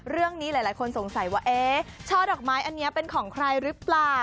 เรื่องนี้หลายคนสงสัยว่าเอ๊ะช่อดอกไม้อันนี้เป็นของใครหรือเปล่า